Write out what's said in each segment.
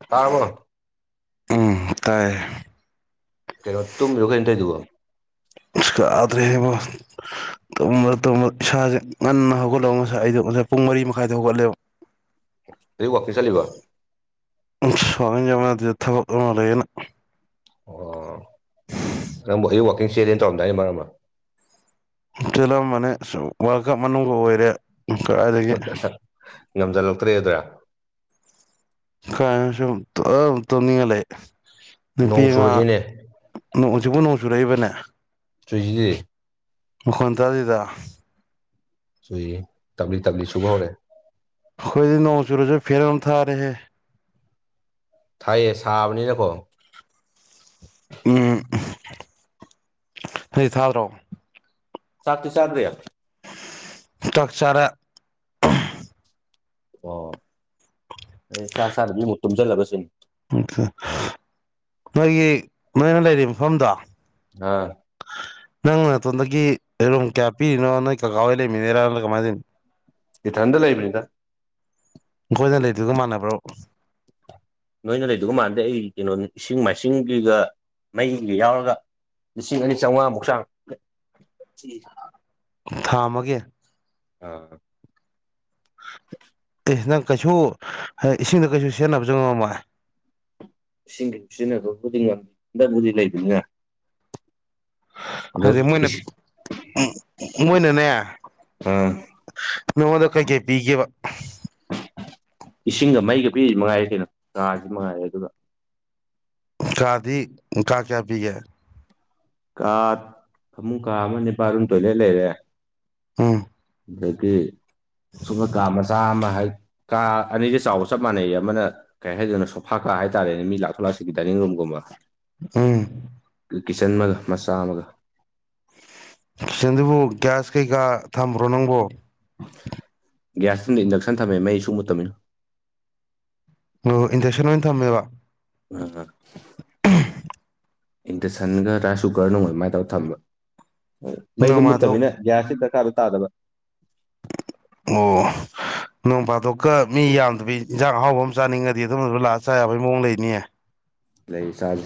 ꯇꯥꯔꯔꯕꯅꯣ ꯎꯝ ꯇꯥꯏ ꯀꯩꯅꯣꯠꯇꯨꯝ ꯂꯒ ꯑꯦꯇꯥꯏꯗꯨꯕꯣ ꯏꯁꯀ ꯑꯗ꯭ꯔꯦꯕ ꯏꯁꯥꯁꯦ ꯉꯟꯅ ꯍꯧꯒꯠꯂꯕ ꯉꯁꯥꯏ ꯑꯩꯗꯣ ꯉꯁꯥꯏ ꯄꯨꯡ ꯃꯔꯤ ꯃꯈꯥꯏꯗ ꯍꯧꯒꯠꯂꯦꯕ ꯇ ꯋꯥꯐꯤꯁ ꯂꯩꯕ ꯁ꯭ꯃꯤꯖꯒꯅꯥ ꯌꯊꯣꯛ ꯂꯩꯦꯅ ꯑꯣ ꯅ ꯅꯪꯕꯨ ꯑꯩ ꯋꯥꯛꯀꯤꯡ ꯆꯦꯖꯦꯟ ꯇꯧꯔꯝꯗꯥꯏꯅꯤ ꯃꯔꯝꯃ ꯆꯦꯜꯂꯝꯕꯅꯦ ꯋꯥꯔꯀꯞ ꯃꯅꯨꯡꯗ ꯑꯣꯏꯔꯦ ꯀꯥꯏꯗꯒꯤ ꯉꯝꯁꯤꯜꯂꯛꯇ꯭ꯔꯦ ꯑꯗꯨ꯭ꯔꯥ ꯀꯩꯅ ꯇꯣꯅꯤꯉ ꯂꯩ ꯅꯨꯄꯤ ꯅꯣꯡ ꯆꯨꯔꯛꯏꯅꯦ ꯑꯉꯥꯡ ꯁꯤꯕꯨ ꯅꯣꯡ ꯆꯨꯔꯛꯏꯕꯅꯦ ꯆꯨꯏꯁꯤꯗꯤ ꯈꯣꯟ ꯇꯗꯦꯗ ꯁꯏ ꯇꯕꯂꯤ ꯇꯕꯂꯤ ꯁꯨꯕꯧꯔꯦ ꯑꯩꯈꯣꯏꯗꯤ ꯅꯣꯡ ꯆꯨꯔꯁꯨ ꯐꯦꯔꯅ ꯊꯥꯔꯦꯍꯦ ꯊꯥꯏꯌꯦ ꯁꯥꯕꯅꯤ ꯅꯈꯣ ꯎꯝ ꯐꯗꯤ ꯊꯥꯗ꯭ꯔꯣ ꯁꯠ ꯆꯠꯗꯦ ꯇꯥꯛꯆꯔꯦ ꯑꯣ ꯑꯩ ꯁꯥ ꯆꯥꯗꯕꯤꯃꯨꯛ ꯇꯨꯝꯁꯤꯜꯂꯕꯁꯤꯅꯤ ꯅꯣꯏꯒꯤ ꯅꯣꯏꯅ ꯂꯩꯔꯤꯕ ꯃꯐꯝꯗꯣ ꯑꯥ ꯅꯪ ꯅ ꯇꯗꯗꯒꯤꯝ ꯀꯌꯥ ꯄꯤꯅꯣ ꯅ ꯀ ꯀꯥ ꯂꯩꯃꯤꯅꯦꯔ ꯀꯃꯥꯏꯗꯅꯤ ꯏꯊꯟꯗ ꯂꯩꯕꯅꯤꯗ ꯑꯩꯈꯣꯏꯅ ꯂꯩꯗꯨꯒ ꯃꯥꯟꯅꯕ꯭ꯔꯣ ꯅꯣꯏꯅ ꯂꯩꯗꯒ ꯃꯥꯟꯗꯦ ꯑꯩ ꯀꯩꯅꯣ ꯏꯁꯤꯡ ꯃꯥꯏꯁꯤꯡꯒ ꯃꯩꯒ ꯌꯥꯎꯔꯒ ꯂꯤꯁꯤꯡ ꯑꯅꯤ ꯆꯥꯝꯃꯉꯥ ꯃꯨꯛꯁꯥꯡ ꯊꯥ ꯑꯃꯒꯤꯒꯦ ꯑꯥ ꯑꯦ ꯅꯪ ꯀꯩꯁꯨ ꯏꯁꯤꯡꯗ ꯀꯩꯁꯨ ꯁꯦꯟꯅꯕꯁꯨ ꯉꯝꯃꯣꯏ ꯁꯤꯁꯤꯡꯒ ꯐꯖꯤꯔꯤꯅꯦꯒꯕꯨꯗꯤꯗ ꯨꯗꯤ ꯂꯩꯕ ꯉ ꯍꯥꯏꯗꯤ ꯃꯣꯏꯅ ꯃꯣꯏꯅꯅꯦ ꯑꯥ ꯅꯉꯣꯟꯗ ꯀꯩꯀꯩ ꯄꯤꯒꯦꯈꯤꯕ ꯏꯁꯤꯡꯒ ꯃꯩꯒ ꯄꯤꯔꯤ ꯃꯉꯥꯏꯔꯦ ꯀꯩꯅꯣ ꯉꯥꯁꯤ ꯃꯉꯥꯏꯔꯦ ꯑꯗꯨꯒ ꯀꯥꯗꯤ ꯀꯥ ꯀꯌꯥ ꯄꯤꯒꯦ ꯀꯥ ꯐꯃꯨ ꯀꯥ ꯑꯃ ꯅꯤꯄꯥꯜꯔꯨꯝ ꯇꯣꯏꯂꯦꯠ ꯂꯩꯔꯦ ꯑꯝ ꯑꯗꯒꯤ ꯁꯨꯝꯕ ꯀ ꯃꯆꯥ ꯑꯃ ꯍꯥꯏ ꯀꯥ ꯑꯅꯤꯁꯦ ꯆꯥꯎꯕ ꯆꯞ ꯃꯥꯟꯅꯩ ꯑꯃꯅ ꯀꯩ ꯍꯥꯏꯗꯣꯏꯅꯣ ꯁꯣꯐꯥ ꯀꯥ ꯍꯥꯏꯇꯥꯔꯦꯅꯦ ꯃꯤ ꯂꯥꯛꯊꯣꯛ ꯂꯥꯛꯁꯤꯒ ꯗꯥꯏꯅꯤꯡ ꯔꯨꯝ ꯎꯃ ꯎꯝ ꯀꯤꯠꯆꯟ ꯑꯃꯒ ꯃꯆꯥ ꯑꯃꯒ ꯆꯁꯤꯡꯗꯨꯕꯨ ꯒ꯭ꯌꯥꯁ ꯀꯩꯀꯥ ꯊꯝꯕ꯭ꯔꯣ ꯅꯪꯕꯣ ꯒ꯭ꯌꯥꯁ ꯇꯨꯝꯗ ꯏꯟꯗꯛꯁꯟ ꯊꯝꯃꯦ ꯃꯩ ꯁ ꯃꯨꯠꯇꯃꯤꯅ ꯑꯣ ꯏꯟꯖꯦꯛꯁꯟ ꯑꯣꯏꯅ ꯊꯝꯃꯦꯕ [unintelligible] ꯍꯗ ꯁꯟꯒ ꯔꯥꯁꯨ ꯀꯅꯉ ꯃꯥꯥꯏ ꯇꯧ ꯊꯝꯝꯕ ꯃꯩꯗꯣ ꯅꯣꯡꯃꯥꯗꯣꯛ ꯃꯨꯠꯇꯃꯤꯅꯦ ꯒ꯭ꯌꯥꯁꯀꯤ ꯗꯔꯀꯥꯔꯖꯨ ꯇꯥꯗꯕ ꯑꯣ ꯅꯣꯡ ꯐꯥꯊꯣꯛꯀ ꯃꯤ ꯌꯥꯝꯗꯕ ꯏꯟꯖꯥꯡ ꯑꯍꯥꯎꯕ ꯑꯃ ꯆꯥꯅꯤꯡꯉꯗꯤ ꯑꯗꯨꯝꯗꯨꯁꯨ ꯂꯥꯛꯑ ꯆꯥ ꯌꯥꯕꯒꯤ ꯃꯑꯣꯡ ꯂꯩꯅꯤꯌꯦ ꯂꯩ ꯆꯔꯦ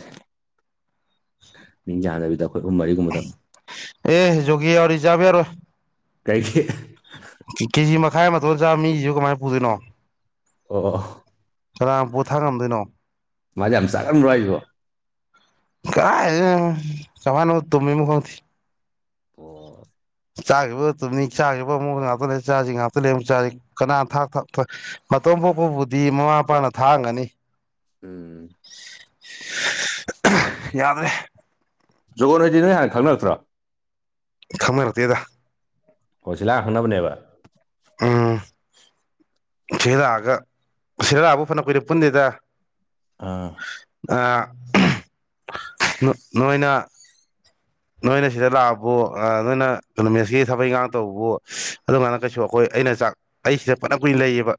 ꯃꯤ ꯌꯥꯗ ꯑꯦ ꯒꯤ ꯑꯔꯤꯖꯥꯦꯔꯣ ꯀꯩꯒꯤ ꯀꯦꯖꯤ ꯃꯈꯥꯏ ꯃꯇꯊ ꯆꯥ ꯃꯤꯁꯤꯁꯨ ꯀꯃꯥꯏꯅ ꯄꯨꯗꯣꯏꯅꯣ ꯑꯣ ꯑꯣ ꯀꯥꯡ ꯄꯣꯊꯥ ꯉꯝꯗꯣꯏꯅꯣ ꯃꯥꯖꯦ ꯑꯝ ꯁꯔꯥ ꯑꯃ ꯔꯣꯏꯁꯕꯣ ꯀ ꯀꯃꯅ ꯇꯨꯃꯤ ꯃꯤ ꯑꯣ ꯆꯥꯈꯤꯕ ꯇꯨꯝꯅꯤ ꯆꯥꯈꯤꯕ ꯑꯃꯨꯛ ꯉꯥꯛꯇ ꯂꯩ ꯆꯥꯁꯤ ꯉꯥꯛꯇ ꯂꯩ ꯑꯃꯨꯛ ꯆꯥꯁꯤ ꯀꯅꯥ ꯊꯥꯛ ꯊ ꯣꯝꯄꯣꯛꯄꯕꯨꯗꯤ ꯃꯃꯥ ꯃꯄꯥꯅ ꯊꯥꯡꯒꯅꯤ ꯎꯝ ꯌꯥꯗ꯭ꯔꯦ ꯖꯣꯒꯣꯟ ꯍꯥꯏꯗꯤ ꯅꯣꯏ ꯍꯥꯟꯅ ꯈꯪꯅꯛꯇ꯭ꯔꯥ ꯈꯪꯅꯔꯛꯇꯦꯗ ꯍꯁꯤꯥ ꯍꯅꯕꯅꯦꯕ ꯁꯤꯂꯛꯑꯒ ꯁꯤꯔꯥꯛꯑꯕꯨ ꯐꯅ ꯀꯨꯏꯔꯦ ꯄꯨꯟꯅꯗꯦꯗ ꯑꯥ ꯅꯣꯏꯣꯏꯅ ꯅꯣꯏꯅ ꯁꯤꯗ ꯂꯥꯛꯑꯕꯨ ꯅꯣꯏꯅ ꯅꯨꯣꯃꯦꯠꯀꯤ ꯊꯕꯛ ꯏꯪꯈꯥꯡ ꯇꯧꯕ ꯑꯗꯨꯃꯥꯏꯅ ꯀꯩꯁꯨ ꯑꯩꯈꯣꯏ ꯑꯩꯅ ꯆꯥꯛ ꯑꯩꯁꯤꯗ ꯐꯅ ꯀꯨꯏꯅ ꯂꯩꯌꯦꯕ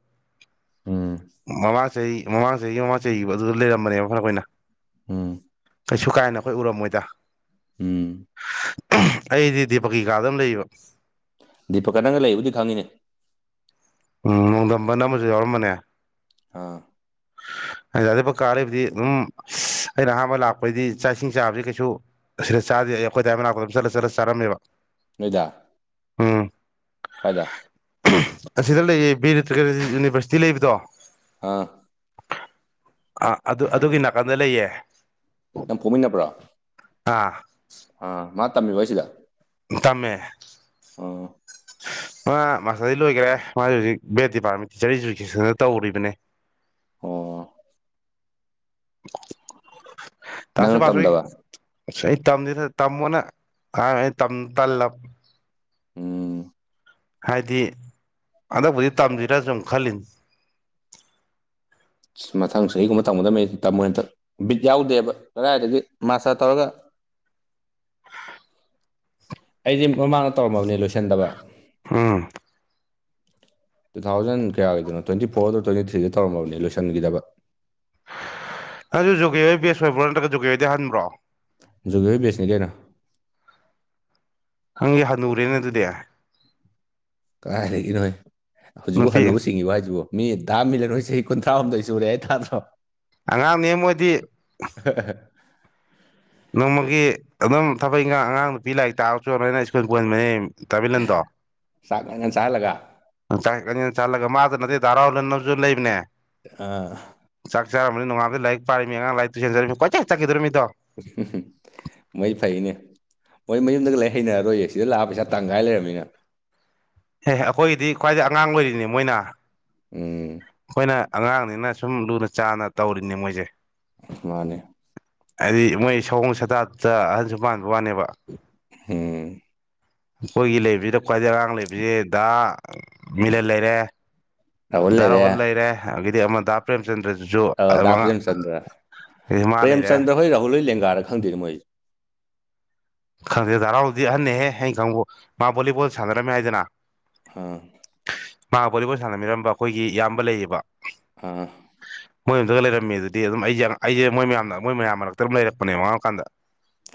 ꯎꯝ ꯃꯃꯥꯡ ꯆꯍꯤ ꯃꯃꯥꯡ ꯆꯍꯤ ꯃꯃꯥꯡ ꯆꯍꯤꯒꯤ ꯑꯗꯨꯗ ꯂꯩꯔꯝꯕꯅꯦꯕ ꯐꯔ ꯑꯩꯈꯣꯏꯏꯅ ꯎꯝ ꯀꯩꯁꯨ ꯀꯥꯏꯅ ꯑꯩꯈꯣꯏ ꯎꯔꯝꯃꯣꯏꯗ ꯎꯝ ꯑꯩꯗꯤꯗꯤ ꯄꯀꯤꯀꯥꯗꯝ ꯂꯩꯕ ꯗꯤꯄꯀꯥ ꯅꯪꯒ ꯂꯩꯕꯨꯗꯤ ꯈꯪꯉꯤꯅꯦ ꯎꯝ ꯅꯣꯡꯗꯝꯝꯕ ꯅ ꯑꯃꯁꯨ ꯌꯥꯎꯔꯝꯕꯅꯦ ꯍꯥꯥ ꯑꯗꯤ ꯀꯥꯂꯕꯗꯤ ꯑꯗꯨꯝ ꯑꯩꯅ ꯑꯍꯥꯟꯕ ꯂꯥꯛꯄꯩꯗꯤ ꯆꯥꯛ ꯏꯁꯤꯡ ꯆꯥꯕꯁꯤ ꯀꯩꯁꯨ ꯁꯤꯗ ꯆꯥꯗꯦ ꯑꯩꯈꯣꯏꯗꯥꯏꯃ ꯂꯥꯛꯄꯗꯝ ꯆꯠꯂ ꯆꯠꯂ ꯆꯥꯔꯝꯃꯦꯕ ꯅꯣꯏꯗꯥ ꯎꯝ ꯐꯥꯏꯗ ꯑꯁꯤꯗ ꯂꯩꯌꯦ ꯕꯤꯔ ꯌꯨꯅꯤꯚꯔꯁꯤꯇꯤ ꯂꯩꯕꯗꯣ ꯑꯥ ꯑꯥ ꯑꯗꯨ ꯑꯗꯨꯒꯤ ꯅꯥꯀꯟꯗ ꯂꯩꯌꯦ ꯅꯪ ꯐꯣꯡꯃꯤꯟꯅꯕ꯭ꯔꯥ ꯑꯥ ꯑ ꯃꯥ ꯇꯝꯃꯦꯃꯤ ꯑꯣꯏꯣꯏꯁꯤꯗ ꯇꯃꯦ ꯑꯣ ꯑ ꯃꯥꯁꯇꯔꯩ ꯂꯣꯏꯈꯔꯦ ꯃꯥꯁꯦ ꯍꯧꯖꯤꯛ ꯕꯤꯠ ꯗꯤꯄꯥꯔꯠꯃꯦꯟ ꯇꯤꯆꯔ ꯏꯖꯨꯀꯦꯁꯟ ꯇꯧꯔꯤꯕꯅꯦ ꯑꯣ ꯇꯁꯨ ꯅꯪꯅ ꯄꯥꯁꯣꯏ ꯇꯝꯗꯕ ꯑ ꯑꯩ ꯇꯝ ꯇꯝꯃꯣꯅ ꯑꯩ ꯇꯜꯂ ꯑ ꯍꯥꯏꯗꯤ ꯍꯟꯗꯛꯕꯨꯗꯤ ꯇꯝꯕꯤꯔꯁꯨꯨꯝ ꯈꯜꯂꯤꯅꯤ ꯃꯊꯪꯁ ꯑꯩꯒꯨꯝꯕ ꯇꯝꯒꯗꯕ ꯇꯝꯃꯣꯏ ꯍꯟꯇ ꯕꯤꯠ ꯌꯥꯎꯗꯦꯕ ꯀꯗꯥꯏꯗꯒꯤ ꯃꯥꯁꯇꯔ ꯇꯧꯔꯒ ꯑꯩꯗꯤ ꯃꯃꯥꯡꯗ ꯇꯧꯔꯝꯃꯕꯅꯤ ꯂꯣꯏꯁꯟꯗꯕ ꯑꯝ ꯇꯨ ꯊꯥꯎꯖꯟ ꯀꯌꯥꯒꯤꯗꯅꯣ ꯇ꯭ꯋꯦꯟꯇꯤ ꯐꯣꯔ ꯑꯗꯨ ꯇ꯭ꯋꯦꯟꯇꯤ ꯊ꯭ꯔꯤꯗ ꯇꯧꯔꯝꯃꯕꯅꯤ ꯂꯣꯏꯁꯤꯟꯈꯤꯗꯕ [inaudible] ꯑꯗꯨ ꯖꯨꯒꯦ ꯍꯣꯏ ꯕꯁ ꯑꯣꯏꯕ꯭ꯔ ꯅꯠꯇ꯭ꯔꯒ ꯖꯒꯦ ꯍꯣꯏꯗꯤ ꯍꯟꯕ꯭ꯔꯣ ꯖꯨꯒ ꯦꯁꯅꯤ ꯂꯩꯦꯅ ꯍꯪꯒꯤꯦ ꯍꯅꯨꯔꯦꯅꯦ ꯑꯗꯨꯗꯤ ꯀꯥꯏꯔꯒꯦ ꯅꯣꯏ ꯍꯧꯖꯤꯛꯐꯥꯎ ꯅꯨꯄꯤ ꯍꯟꯅꯨꯕꯨ ꯁꯤꯡꯉꯤꯕꯣ ꯍꯥꯏꯁꯤꯕꯣ ꯃꯤ ꯗꯥꯝ ꯃꯤꯜꯂꯦ ꯅꯣꯏ ꯏꯁꯩ ꯀꯨꯟꯊ꯭ꯔꯥꯍꯨꯝꯗꯣꯏ ꯁꯨꯔꯦ ꯍꯥꯏ ꯇꯥꯗ꯭ꯔꯣ ꯑꯉꯥꯡꯅꯦ ꯃꯣꯏꯗꯤ ꯅꯣꯡꯃꯒꯤ ꯑꯗꯨꯝ ꯊꯕꯛ ꯏꯪꯥꯡ ꯑꯉꯥꯡ ꯅꯨꯄꯤ ꯂꯥꯏꯔꯤꯛ ꯇꯥꯕꯁꯨ ꯅꯣꯏꯅ ꯁ꯭ꯀꯨꯜ ꯀꯍꯟꯕꯅꯤ ꯇꯥꯕꯤꯂꯟꯗꯣ ꯆꯥꯛ ꯉꯟ ꯉꯟ ꯆꯥꯍꯜꯂꯒ ꯆꯠꯂꯒ ꯃꯥꯗꯨ ꯅꯠꯇꯦ ꯙꯔꯥꯎ ꯂꯩꯅꯕꯁꯨ ꯂꯩꯕꯅꯦ ꯑꯥ ꯆꯔꯝꯅꯤꯣꯡꯉꯝꯗ ꯂꯥꯏꯛ ꯄꯥꯃꯤ ꯑꯉꯥꯡꯥꯏꯔꯤ ꯇꯣꯏ ꯆꯠꯈꯤꯗꯣꯃꯤ ꯃꯩ ꯐꯥꯏꯅꯦ ꯃꯣꯏ ꯃꯌꯨꯝꯗꯒ ꯂ ꯍꯩꯅꯔꯔꯣꯏꯌꯦ ꯁꯤꯗ ꯂꯥꯛꯑꯒ ꯄꯩꯁꯥ ꯇꯪꯈꯥꯏ ꯂꯩꯔꯝꯃꯤꯅ ꯑꯦꯍ ꯑꯩꯈꯣꯏꯒꯤꯗꯤ ꯈ꯭ꯋꯥꯏꯗꯒꯤ ꯑꯉꯥꯡ ꯑꯣꯏꯔꯤꯅꯦ ꯃꯣꯏꯅ ꯎꯝ ꯑꯣꯏꯩꯅ ꯑꯉꯥꯡꯅꯤꯅ ꯁꯨꯝ ꯂꯨꯅ ꯆꯥꯟꯅ ꯇꯧꯔꯤꯅꯦ ꯃꯣꯏꯁꯦ ꯃꯥꯅꯦ ꯍꯥꯏꯗꯤ ꯃꯣꯏ ꯁꯑꯣꯣꯡ ꯁꯇꯥꯠꯇ ꯑꯍꯟꯁꯨ ꯄꯥꯟꯕ ꯋꯥꯅꯦꯕ ꯍꯝ ꯑꯩꯈꯣꯏꯒꯤ ꯂꯩꯕꯤꯗ ꯈ꯭ꯋꯥꯏꯗꯩ ꯑꯔꯥꯡ ꯂꯩꯕꯕꯁꯤꯦꯗ ꯃꯤꯂꯟ ꯂꯩꯔꯦ ꯗꯥꯔꯥꯍꯣꯜ ꯂꯩꯔꯦ ꯑꯗꯒꯤꯗꯤ ꯑꯃꯗꯥ ꯄ꯭ꯔꯦꯝꯆꯟꯗ꯭ꯔꯗꯨꯁꯨ ꯑꯥ ꯗꯥ ꯃꯉꯥ ꯄ꯭ꯔꯦꯝꯆꯟꯗ꯭ꯔ ꯄ꯭ꯔꯦꯝꯆꯟꯗ꯭ꯔ ꯍꯣꯏ ꯔꯥꯍꯨꯜ ꯍꯣꯏ ꯂꯦꯡꯒꯥꯔ ꯈꯪꯗꯦꯔꯤ ꯃꯣꯏꯁꯦ ꯈꯪꯗꯦ ꯗꯥ ꯅꯥꯎꯕꯗꯤ ꯑꯍꯟꯅꯍꯦ ꯑꯩꯅ ꯈꯪꯕꯨ ꯃꯥ ꯚꯣꯂꯤꯕꯣꯜ ꯁꯥꯟꯅꯔꯝꯃꯦ ꯍꯥꯏꯗꯅ ꯑꫭ ꯃꯥ ꯕꯣꯂꯤꯕꯣꯜ ꯁꯥꯟꯅꯃꯤꯅꯔꯝꯕ ꯑꯩꯈꯣꯏꯒꯤ ꯏꯌꯥꯝꯕ ꯂꯩꯌꯦꯕ ꯑꯥ ꯃꯣꯏ ꯌꯨꯝꯗꯒ ꯂꯩꯔꯝꯃꯦ ꯑꯗꯨꯗꯤ ꯑꯗꯨꯝ ꯑꯩꯁꯦ ꯑꯩꯁꯦ ꯃꯣꯏ ꯃꯌꯥꯝꯅ ꯃꯣꯏ ꯃꯌꯥꯝ ꯃꯔꯛꯇ ꯑꯗꯨꯝ ꯂꯩꯔꯛꯄꯅꯦ ꯑꯉꯥꯡ ꯑꫭꯏ ꯀꯥꯟꯗ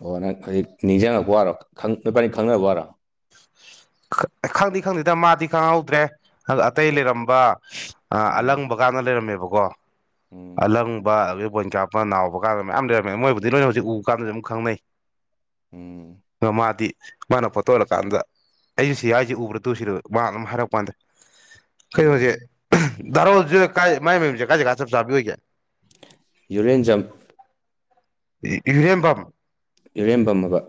ꯑꯣ ꯅꯪ ꯍꯧꯖꯤꯛ ꯅꯤꯡꯁꯤꯡꯉꯛꯄ ꯋꯥꯔꯣ ꯅꫭꯏꯄꯥꯅꯤ ꯈꯪꯅꯕꯔꯣ ꯍꯥꯟꯅ ꯈꯪꯗꯤꯦ ꯈꯪꯗꯦꯗ ꯃꯥꯗꯤ ꯈꯪꯍꯧꯗ꯭ꯔꯦ ꯑꯇꯩ ꯂꯩꯔꯝꯕ ꯑ ꯎꯝ ꯑꯂꯪꯕ ꯀꯥꯟꯗ ꯂꯩꯔꯝꯃꯦꯕꯀꯣ ꯎꯝ ꯑꯂꯪꯕ ꯑ ꯄꯣꯏꯟ ꯀꯥꯞꯄꯅꯅꯥꯕ ꯀꯥꯟꯗ ꯃꯌꯥꯝ ꯂꯩꯔꯝꯃꯦ ꯃꯣꯏꯕꯨꯗꯤ ꯂꯣꯏꯅ ꯍꯧꯖꯤꯛ ꯎꯕ ꯀꯥꯟꯗꯁꯨ ꯑꯗꯨꯝ ꯈꯪꯅꯩ ꯎꯝ ꯑ ꯃꯥꯗꯤ ꯃꯥꯅ ꯄꯠꯇꯣꯂꯀꯥꯟꯗ ꯑꯩꯁꯨ ꯁꯤ ꯌꯥꯏꯁꯦ ꯎꯕ꯭ꯔꯥ ꯇꯧꯁꯤꯔꯣ ꯃꯍꯥꯛ ꯑꯗꯨ ꯑꯃ ꯍꯥꯏꯔꯛꯄꯀꯥꯟꯗ ꯎꯝ ꯀꯩꯅꯣꯁꯦ ꯗꯥꯔꯣꯖꯁ ꯀꯥꯏ ꯃꯥꯏ ꯃꯃꯤꯁꯦ ꯀꯥꯏꯦ ꯆꯞ ꯆꯥꯕꯤ ꯑꯣꯏꯒꯦ ꯌꯨꯔꯦꯟ ꯖꯝ ꯏꯔꯦꯝꯕꯝ ꯏꯔꯦꯝꯕꯝꯃꯕ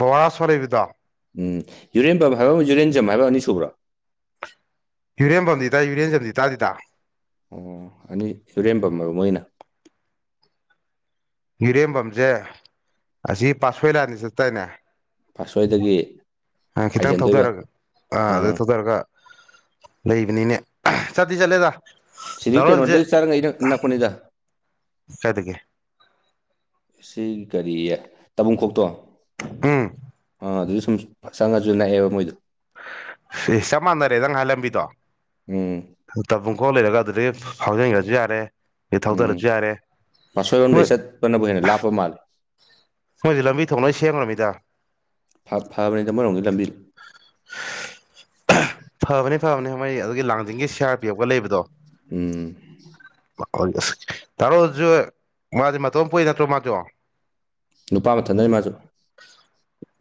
ꯕꯔꯥ ꯁꯣꯔꯩꯕꯤꯗꯣ ꯎꯝ ꯌꯨꯔꯦꯟꯕꯝ ꯍꯥꯏꯕ ꯑꯃ ꯌꯨꯔꯦꯟꯖꯝ ꯍꯥꯏꯕ ꯑꯅꯤ ꯁꯕ꯭ꯔꯥ ꯌꯨꯔꯦꯟ ꯄꯝꯗꯤ ꯇꯥꯏ ꯌꯨꯔꯦꯟꯖꯝꯗꯤ ꯇꯥꯗꯤ ꯇ ꯑꯣ ꯑꯅꯤ ꯏꯨꯔꯦꯝꯕꯝ ꯃꯔꯨꯞ ꯑꯣꯏꯅ ꯌꯔꯦꯝꯕꯝꯁꯦ ꯑꯁꯤ ꯄꯥꯁꯣꯏ ꯂꯥꯅꯤ ꯆꯠꯇꯅꯦ ꯐꯥꯁꯣꯏꯗꯒꯤ ꯑ ꯈꯤꯇꯪ ꯊꯧꯊꯔꯒ ꯑꯥ ꯑꯗꯨ ꯊꯧꯊꯔꯒ ꯂꯩꯕꯅꯤꯅꯦ ꯆꯗꯤ ꯆꯠꯂꯦꯗ ꯁꯤꯔ ꯀꯦ ꯗꯥꯔꯣꯟꯁꯦ ꯅꯣꯗꯗꯤ ꯆꯥꯔꯩꯅ ꯏꯟꯅ ꯄꯨꯅꯤꯗ [inaudible] ꯁꯤ ꯀꯔꯤ ꯇꯥꯕꯨꯡꯈꯣꯛꯇꯣ ꯎꯝ ꯑꯥ ꯑꯗꯨ ꯁꯨꯝ ꯆꯪꯉꯁꯨ ꯅꯛꯑꯦꯕ ꯃꯣꯏꯗꯣ ꯆꯞ ꯃꯥꯟꯅꯔꯦ ꯅꯪ ꯉꯥꯏꯍꯥꯟ ꯂꯝꯕꯤꯗꯣꯨꯡ ꯎꯝ ꯍꯀꯣꯛ ꯂꯩꯔꯒ ꯑꯗꯨꯗꯒꯤ ꯐꯥꯎꯖꯤꯟꯈ꯭ꯔꯁꯨ ꯌꯥꯔꯦ ꯑꯩ ꯎꯝ ꯊꯧꯗꯔꯁꯨ ꯌꯥꯔꯦ ꯄꯥꯠꯁꯣꯏꯔꯣꯝꯗꯩ ꯃꯣꯏ ꯆꯠꯄꯅꯕꯨ ꯍꯦꯟꯅ ꯂꯥꯞꯄ ꯃꯥꯜꯂꯦ ꯃꯣꯏꯁꯦ ꯂꯝꯕꯤ ꯊꯣꯡꯅ ꯁꯦꯝꯈ꯭ꯔꯃꯤꯗ ꯐꯕꯅꯤꯗꯃꯔꯣꯝꯒꯤ ꯂꯝꯕꯤ [inaudible] ꯐꯕꯅꯤ ꯐꯕꯅꯦ ꯃꯣꯏ ꯑꯗꯨꯒꯤ ꯂꯥꯡꯖꯤꯡꯒꯤ ꯁꯤ ꯑꯥꯔ ꯄꯤ ꯑꯣꯐꯀ ꯂꯩꯕꯗꯣ ꯎꯝ ꯑꯁ ꯇꯥꯔꯣꯁꯨ ꯃꯥꯗꯤ ꯃꯇꯣꯝ ꯀꯨꯏ ꯅꯠꯇ꯭ꯔꯣ ꯃꯥꯗꯣ ꯅꯨꯄꯥ ꯑꯃ ꯊꯟꯅꯔꯤ ꯃꯥꯁꯨ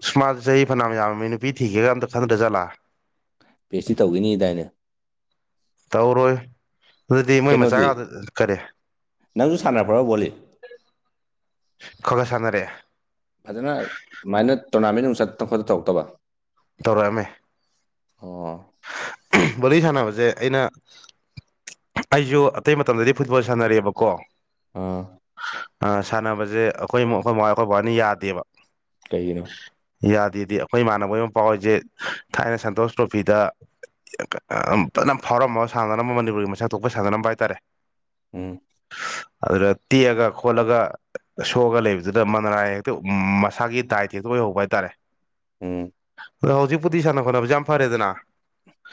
ꯁꯨꯃꯥꯖ ꯆꯍꯤ ꯐꯅ ꯌꯥꯝ ꯃꯤ ꯅꯨꯄꯤ ꯊꯤꯒꯦꯒ ꯑꯝꯇ ꯈꯟꯗ ꯆꯠꯂ ꯄꯤ ꯍꯩꯁ ꯇꯤ ꯇꯧꯈꯤꯅꯤꯗꯥꯏꯅ ꯇꯧꯔꯣ ꯀꯩꯅꯗꯤ ꯅꯪꯁꯨ ꯁꯥꯟꯅꯔꯄꯔꯣ ꯈꯔ ꯈꯔ ꯁꯥꯟꯅꯔꯛꯑꯦ ꯐꯗꯅ ꯃꯥꯏꯅ ꯇꯣꯔꯅꯥꯃꯦꯟ ꯅꯨꯡ ꯆ ꯈꯣꯠꯇ ꯊꯣꯛꯧꯇꯕ ꯇꯔꯛꯃꯦ ꯑꯣ ꯕꯣꯂꯤ ꯁꯥꯟꯅꯕꯁꯦ ꯑꯩꯅ ꯑꯩꯁꯨ ꯑꯇꯩ ꯃꯇꯝꯗꯗꯤ ꯐꯨꯠꯕꯣꯜ ꯁꯥꯟꯅꯔꯦꯑꯕꯀꯣ ꯑꯥ ꯁꯥꯟꯅꯕꯁꯦ ꯑꯩꯈꯣꯏ ꯑꯩꯈꯣꯏ ꯃꯕꯥꯏ ꯑꯩꯈꯣꯏ ꯕꯥꯅ ꯌꯥꯗꯦꯕ ꯀꯩꯅꯣ ꯌꯥꯗꯦꯗꯤ ꯑꯩꯈꯣꯏ ꯏꯃꯥꯟꯅꯕ ꯑꯃ ꯄꯥꯎꯔꯤꯁꯦ ꯊꯥꯏꯅ ꯁꯟꯇꯣꯁ ꯇ꯭ꯔꯣꯐꯤꯗ ꯐꯖꯅ ꯐꯥꯎꯔꯝꯃꯒ ꯁꯥꯟꯅꯔꯝꯕ ꯃꯅꯤꯄꯨꯔꯒꯤ ꯃꯁꯛ ꯊꯣꯛꯄ ꯁꯥꯟꯅꯔꯝꯕ ꯍꯥꯏꯇꯥꯔꯦ ꯎꯝ ꯑꯗꯨꯗ ꯇꯦꯛꯑꯒ ꯈꯣꯠꯂꯒ ꯁꯣꯛꯑꯒ ꯂꯩꯕꯗꯨꯗ ꯃꯅꯥꯔꯥꯏ ꯍꯦꯛꯇ ꯃꯁꯥꯒꯤ ꯗꯥꯏꯠ ꯍꯦꯛꯇ ꯑꯣꯏꯍꯧꯕ ꯍꯥꯏꯇꯥꯔꯦ ꯎꯝ ꯑꯗꯣ ꯍꯧꯖꯤꯛꯄꯨꯗꯤ ꯁꯥꯟꯅ ꯈꯣꯠꯅꯕꯁ ꯌꯥꯝ ꯐꯔꯦꯗꯅ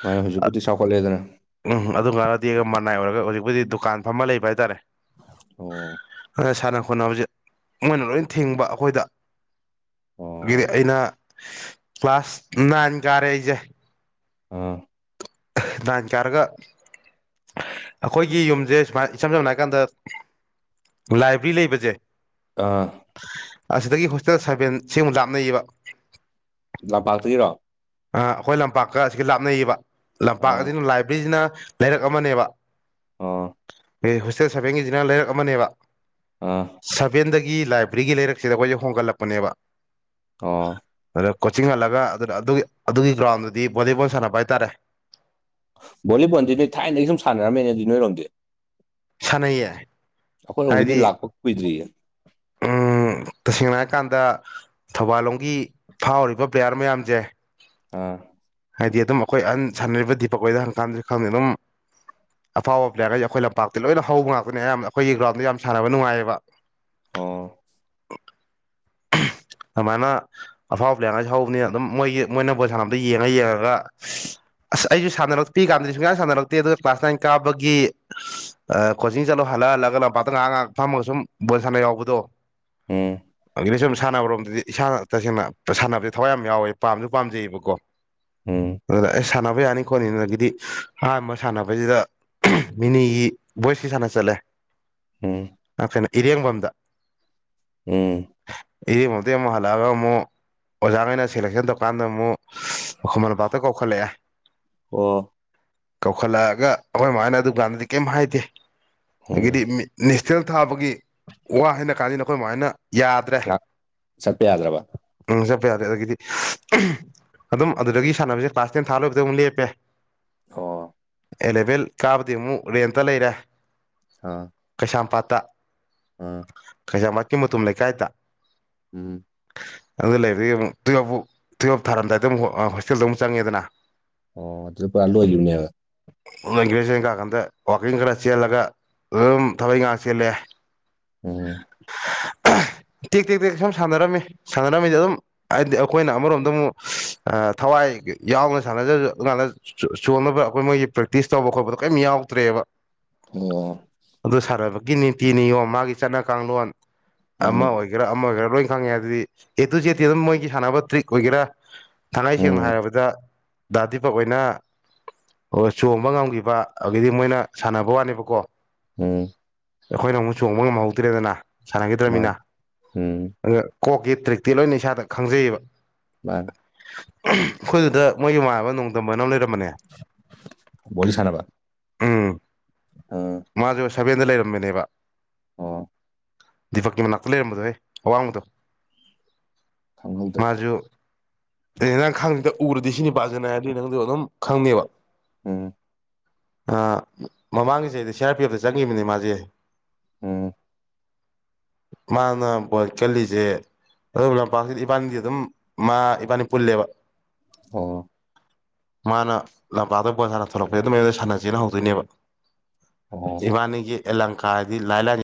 ꯃꯥ ꯍꯧꯖꯤꯛꯄꯨꯗꯤ ꯆꯥꯎꯈꯠꯂꯦꯗꯅ ꯎꯝ ꯑꯗꯨ ꯈꯔꯗꯤ ꯑꯩ ꯃꯅꯥꯏ ꯑꯣꯏꯔꯒ ꯍꯧꯖꯤꯛ ꯑꯩꯈꯣꯏꯗꯤ ꯗꯨꯀꯥꯟ ꯐꯝꯃ ꯂꯩꯕ ꯍꯥꯏꯇꯥꯔꯦ ꯑꯣ ꯁꯥꯟꯅ ꯈꯣꯠꯅꯕꯁꯦ ꯃꯣꯏꯅ ꯂꯣꯏ ꯊꯤꯡꯕ ꯑꯩꯈꯣꯏꯗ ꯑꯗꯒꯤꯗꯤ ꯑꯣ ꯑꯩꯅ ꯀ꯭ꯂꯥꯁ ꯅꯥꯏꯟ ꯀꯥꯔ ꯑꯩꯁꯦ ꯑꯥ ꯅꯌ꯭ꯥꯟ ꯀꯔꯒꯥ ꯑꯩꯈꯣꯏꯒꯤ ꯌꯨꯝꯁꯦ ꯁꯨꯃꯥꯏ ꯏꯁꯝ ꯁꯝꯅ ꯍꯥꯏꯀꯥꯟꯗ ꯂꯥꯏꯕ꯭ꯦꯔꯤ ꯂꯩꯕꯁꯦ ꯑꯥ ꯑꯁꯤꯗꯒꯤ ꯍꯣꯁꯇꯦꯜ ꯁꯥꯕꯦꯟ ꯁꯦꯝꯃꯨꯛ ꯂꯥꯞꯅꯩꯌꯦꯕ ꯂ ꯄꯊꯔꯣ ꯑꯩꯈꯣꯏ ꯂꯝꯄꯥꯛꯀ ꯑꯁꯤꯒ ꯂꯥꯞꯅꯩꯌꯦꯕ ꯂꯝꯄꯥꯛ ꯑꯥ ꯑꯁꯤꯅ ꯂꯥꯏꯕ꯭ꯔꯦꯔꯤꯁꯤꯅ ꯂꯩꯔꯛ ꯑꯃꯅꯦꯕ ꯑꯣ ꯍꯦ ꯍꯣꯁꯇꯦꯜ ꯁꯚꯦꯟꯒꯤꯁꯤꯅ ꯂꯩꯔꯛ ꯑꯃꯅꯦꯕ ꯑꯥ ꯁꯚꯦꯟꯗ ꯒꯤ ꯂꯥꯏꯕ꯭ꯔꯦꯔꯤꯒꯤ ꯂꯩꯔꯛꯁꯤꯗ ꯑꯩꯈꯣꯏꯁꯦ ꯍꯣꯡꯒꯠꯂꯛꯄꯅꯦꯕ ꯑꯣ ꯑꯗ ꯀꯣꯆꯤꯡ ꯍꯜꯂꯒ ꯑꯗꯨꯅ ꯑꯗꯨꯒꯤ ꯑꯗꯨꯒꯤ ꯒ꯭ꯔꯥꯎꯟꯗꯨꯗꯤ ꯚꯣꯂꯤꯕꯣꯜ ꯁꯥꯟꯅꯕ ꯍꯥꯏꯇꯥꯔꯦ ꯚꯣꯂꯤꯕꯣꯜꯗꯤ ꯅꯣꯏ ꯊꯥꯏꯅꯗꯒꯤ ꯁꯨꯝ ꯁꯥꯟꯅꯔꯝꯃꯦꯅ ꯑꯗꯨꯗꯤ ꯅꯣꯏꯔꯣꯝꯗꯤ ꯁꯥꯟꯅꯩꯌꯦ ꯑꯩꯈꯣꯏ ꯔꯣꯝꯒꯤꯗꯤ ꯍꯥꯏꯗꯤ ꯂꯥꯛꯄ ꯀꯨꯏꯗ꯭ꯔꯤꯌꯦ ꯎꯝ ꯇꯁꯦꯡꯅ ꯍꯥꯏꯔꯀꯥꯟꯗ ꯊꯧꯕꯥꯜꯂꯣꯝꯒꯤ ꯐꯥꯎꯔꯤꯕ ꯄ꯭ꯂꯦꯌꯥꯔ ꯃꯌꯥꯝꯖꯦ ꯑꯥ ꯍꯥꯏꯗꯤ ꯑꯗꯨꯝ ꯑꯩꯈꯣꯏ ꯑꯍꯟ ꯁꯥꯟꯅꯔꯤꯕ ꯗꯤꯄꯛ ꯍꯣꯏꯗ ꯍꯪꯀꯥꯟꯗꯁꯨ ꯈꯪꯅꯤ ꯑꯗꯨꯝ ꯑꯐꯥꯎꯕ ꯄ꯭ꯂꯦꯌꯥꯔꯒꯩꯗꯤ ꯑꯩꯈꯣꯏ ꯂꯝꯄꯥꯛꯇꯩ ꯂꯣꯏꯅ ꯍꯧꯕ ꯉꯥꯛꯇꯅꯦ ꯑꯌꯥꯝꯕꯅ ꯑꯩꯈꯣꯏꯒꯤ ꯒ꯭ꯔꯥꯎꯟꯗ ꯌꯥꯝ ꯁꯥꯟꯅꯕ ꯅꯨꯡꯉꯥꯏꯌꯦꯕ ꯑꯣ [inaudible] ꯑꯗꯨꯃꯥꯏꯅ ꯑꯐꯥꯎꯕ ꯄ꯭ꯂꯦꯌꯥꯔꯉꯩꯁꯦ ꯍꯧꯕꯅꯤꯅ ꯑꯗꯨꯝ ꯃꯣꯏꯒꯤ ꯃꯣꯏꯅ ꯕꯣꯜ ꯁꯥꯟꯅꯕꯗꯣ ꯌꯦꯡꯉ ꯌꯦꯡꯉꯒ ꯑꯁ ꯑꯩꯁꯖꯨ ꯁꯥꯟꯅꯔꯛ ꯄꯤꯛꯏ ꯀꯥꯟꯗꯗꯤ ꯁꯨꯡꯁꯥꯟ ꯁꯥꯟꯅꯔꯛꯇꯦ ꯑꯗꯨꯒ ꯀ꯭ꯂꯥꯁ ꯅꯥꯏꯟ ꯀꯥꯕꯒꯤ ꯀꯣꯆꯤꯡ ꯆꯠꯂꯣ ꯍꯜ ꯂꯛ ꯍꯜꯂꯒ ꯂꯝꯄꯥꯛꯇ ꯉꯥꯏꯍꯥꯛ-ꯉꯥꯏꯍꯥꯛ ꯐꯝꯃꯒ ꯁꯨꯝ ꯕꯣꯜ ꯁꯥꯟꯅ ꯌꯥꯎꯕꯗꯣ ꯎꯝ ꯅꯦꯁꯨꯝꯝ ꯁꯥꯟꯅꯕꯔꯣꯝꯗꯗꯤ ꯏꯁꯥꯅ ꯇꯁꯦꯡꯅ ꯁꯥꯟꯅꯕꯖꯦ ꯊꯋꯥꯏ ꯌꯥꯝ ꯌꯥꯎꯋꯦ ꯄꯥꯝꯁꯨ ꯄꯥꯝꯖꯩꯌꯦꯕꯀꯣ ꯎꯝ ꯑꯗꯨꯅ ꯑꯦ ꯁꯥꯟꯅꯕ ꯌꯥꯅꯤ ꯈꯣꯠꯅꯤ ꯑꯗꯨꯗꯒꯤꯗꯤ ꯑꯍꯥꯟꯕ ꯁꯥꯟꯅꯕꯁꯤꯗ ꯃꯤꯅꯤꯒꯤ ꯚꯣꯏꯁꯀꯤ ꯁꯥꯟꯅ ꯆꯠꯂꯦ ꯎꯝ ꯀꯩꯅꯣ ꯏꯔꯦꯡꯕꯝꯗ ꯎꯝ ꯏꯔꯦꯡꯕꯝꯗꯩ ꯑꯃꯨꯛ ꯍꯜꯂꯛꯑꯒ ꯑꯃꯨꯛ ꯑꯣꯖꯥꯒꯩꯅ ꯁꯦꯂꯦꯛꯁꯟ ꯇꯧꯀꯥꯟꯗ ꯑꯃꯨꯛ ꯈꯨꯃꯜꯂꯝꯄꯥꯛꯇ ꯀꯧꯈꯠꯂꯛꯑꯦ ꯑꯣ ꯀꯧꯈꯠꯂꯛꯑꯒ ꯑꯩꯈꯣꯏ ꯃꯥ ꯍꯣꯢꯅ ꯑꯗꯨꯀꯥꯟꯗꯗꯤ ꯀꯩꯝ ꯍꯥꯏꯗꯦ ꯑꯗꯒꯤꯗꯤ ꯎꯝ ꯃꯤ ꯅꯦꯁ ꯅꯦꯜ ꯊꯥꯕꯒꯤ ꯋꯥ ꯍꯥꯏꯅ ꯀꯥꯟꯗ ꯑꯩꯈꯣꯏ ꯃꯥ ꯍꯣꯢꯅ ꯌꯥꯗ꯭ꯔꯦ ꯉꯥꯛ ꯆꯠꯄ ꯌꯥꯗ꯭ꯔꯕ ꯆꯠꯄ ꯌꯥꯗ꯭ꯔꯦ ꯑꯗꯒꯤꯗꯤ ꯑꯗꯨꯝ ꯑꯗꯨꯗꯒꯤ ꯁꯥꯟꯅꯕꯁꯦ ꯀ꯭ꯂꯥꯁ ꯇꯦꯟ ꯊꯥ ꯂꯣꯏꯕꯗ ꯑꯃꯨꯛ ꯂꯦꯞꯄꯦ ꯑꯣ꯬꯬꯬ ꯑꯦꯂꯦꯚꯦꯜ ꯀꯥꯕꯗꯩ ꯑꯃꯨꯛ ꯔꯦꯟꯇ ꯂꯩꯔꯦ ꯀꯩꯁꯥꯝꯄꯥꯠꯇ ꯎꯝ ꯀꯩꯁꯥꯝꯄꯥꯠꯀꯤ ꯃꯨꯇꯨꯝ ꯂꯩꯀꯥꯏꯗ ꯎꯝ ꯑꯗꯨꯗ ꯂꯩꯕꯗꯒꯤ ꯑꯃꯨꯛ ꯇꯨꯌꯦꯜꯞ ꯐꯥꯎ ꯇꯨꯌꯦꯜꯞ ꯊꯥꯔꯝꯗꯥꯏꯗ ꯍꯣꯁꯇꯦꯜꯗ ꯑꯃꯨꯛ ꯆꯪꯉꯦꯗꯅ ꯑꯣ ꯑꯗꯨꯗ ꯄꯨꯔꯥ ꯂꯣꯢꯒꯤꯕꯅꯦꯕ ꯑꯗꯨ ꯒ꯭ꯔꯦꯖꯨꯋꯦꯁꯟ ꯀꯀꯥꯟꯗ ꯋꯥꯛꯀꯤꯡ ꯈꯔ ꯆꯦꯜꯂꯒ ꯑꯗꯨꯝ ꯊꯕꯛ ꯢꯪꯈꯥꯡ ꯆꯦꯜꯂꯦ ꯎꯝ ꯇꯦꯛ ꯇꯦꯛ ꯇꯦꯛ ꯁꯨꯝ ꯁꯥꯟꯅꯔꯝꯃꯤ ꯁꯥꯟꯅꯔꯝꯃꯤꯗ ꯑꯗꯨꯝ ꯍꯥꯏꯗꯤ ꯑꯩꯈꯣꯏꯅ ꯑꯃꯔꯣꯝꯗ ꯑꯃꯨꯛ ꯊꯋꯥꯏ ꯌꯥꯎꯅ ꯁꯥꯟꯅꯖꯔꯁꯨ ꯑꯗꯨ ꯀꯥꯟꯗ ꯆꯣꯟ ꯑꯕ ꯑꯩꯈꯣꯏ ꯃꯣꯏꯒꯤ ꯄ꯭ꯔꯦꯛꯇꯤꯁ ꯇꯧꯕ ꯈꯣꯠꯄꯗꯣ ꯀꯩꯝ ꯌꯥꯎꯗ꯭ꯔꯦꯕ ꯑꯣ ꯒꯤ ꯅꯤꯇꯤ ꯅꯤꯌꯣ ꯃꯥꯒꯤ ꯆꯠꯅ ꯀꯥꯡꯂꯣꯟ ꯑꯃ ꯎꯝ ꯑꯣꯏꯒꯦꯔꯥ ꯑꯃ ꯑꯣꯏꯒꯦꯔꯥ ꯂꯣꯏꯅ ꯈꯪꯉꯦ ꯑꯗꯨꯗꯤ ꯑꯦ ꯇꯨ ꯖꯦꯠꯇꯤ ꯑꯗꯨꯝ ꯃꯣꯏꯒꯤ ꯁꯥꯟꯅꯕ ꯇ꯭ꯔꯤꯛ ꯑꯣꯏꯒꯦꯔꯥ ꯊꯥꯡꯉꯩ ꯁꯦꯡꯅ ꯎꯝ ꯍꯥꯏꯔꯕꯗ ꯗꯥ ꯗꯤꯄꯛ ꯍꯣꯏꯅ ꯑꯣ ꯆꯣꯡꯕ ꯉꯝꯒꯤꯕ ꯑꯗꯨꯗꯒꯤꯗꯤ ꯃꯣꯏꯅ ꯁꯥꯟꯅꯕ ꯋꯥꯅꯦꯕꯀꯣ ꯎꯝ ꯑꯩꯈꯣꯏꯅ ꯑꯃꯨꯛ ꯆꯣꯡꯕ ꯉꯝꯍꯧꯗ꯭ꯔꯦꯗꯅ ꯁꯥꯟꯅꯒꯤꯗ꯭ꯔꯕꯅꯤꯅ ꯃꯥꯅꯤ ꯎꯝ ꯀꯣꯛꯀꯤ ꯇ꯭ꯔꯤꯛꯇꯤ ꯂꯣꯏꯅ ꯏꯁꯥꯗ ꯈꯪꯖꯩꯑꯕ ꯃꯥꯅꯦ ꯑꯩꯈꯣꯏꯗꯨꯗ ꯃꯣꯏꯒꯤ ꯃꯃꯥꯟꯅꯕ ꯅꯣꯡꯗꯝꯅ ꯑꯃ ꯂꯩꯔꯝ ꯣꯁꯅꯕ ꯎꯝ ꯃꯥꯁꯨꯦ ꯁꯚꯦꯟꯗ ꯂꯩꯔꯝꯃꯤꯅꯦꯕ ꯑ ꯗꯤꯄꯛꯀꯤ ꯃꯅꯥꯛꯇ ꯂꯩꯔꯝꯕꯗꯣ ꯍ ꯑꯋꯥꯡꯕꯗꯣ ꯈꯪꯍꯧꯗ꯭ꯔꯦ ꯃꯥꯖꯛ ꯑꯗꯨꯩ ꯅꯪ ꯈꯪꯉꯦꯗ ꯎꯔꯗꯤ ꯁꯤꯅꯤ ꯄꯥꯖꯅ ꯍꯥꯏꯔꯗꯤ ꯅꯪꯗ ꯑꯗꯨꯝ ꯈꯪꯅꯦꯦꯕ ꯎꯝ ꯃꯃꯥꯡꯒꯤꯁꯦ ꯑꯩꯗꯤ ꯁꯤ ꯑꯥꯔ ꯄꯤ ꯑꯦꯐꯇ ꯆꯪꯈꯤꯕꯅꯦ ꯃꯥꯁꯦ ꯎꯝ ꯃꯥꯅꯣꯏ ꯀꯜꯂꯤꯁꯦ ꯑꯗꯨ ꯂꯝꯄꯥꯛꯁꯤ ꯏꯄꯥꯅꯤꯗꯤ ꯑꯗꯨꯝ ꯃꯥ ꯏꯄꯥꯅꯤ ꯄꯨꯜꯂꯦꯕ ꯑꯣ ꯃꯥꯅ ꯂꯝꯄꯥꯛꯗ ꯕꯖꯥꯔꯅ ꯊꯣꯛꯂꯛꯄꯩ ꯑꯗꯨꯝ ꯑꯩ ꯁꯥꯟꯅꯁꯦꯅ ꯍꯧꯗꯣꯏꯅꯦꯕ ꯑꯣ ꯏꯕꯥꯅꯤꯒꯤ ꯑꯦꯂꯪꯀꯥ ꯍꯥꯏꯗꯤ ꯂꯥꯏꯂꯥꯏ